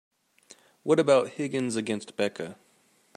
What about Higgins against Becca?